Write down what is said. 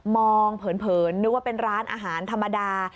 เผินนึกว่าเป็นร้านอาหารธรรมดา